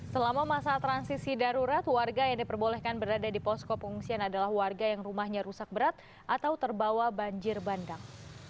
selama masa transisi darurat warga yang diperbolehkan berada di posko pengungsian adalah warga yang rumahnya rusak berat atau terbawa banjir bandang